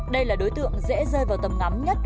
đây là đối tượng dễ rơi vào tầm ngắm nhất